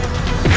ayo kita berdua